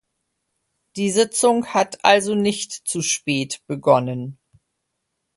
Die Sitzung hat also nicht zu spät begonnen.